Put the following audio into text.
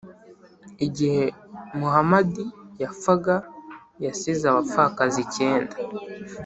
igihe muhamadi yapfaga, yasize abapfakazi icyenda.